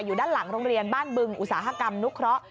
อยู่ด้านหลังโรงเรียนบ้านบึงอุตสาหกรรมนุเคราะห์